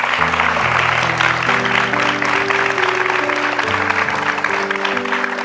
พี่ตายสวัสดีครับ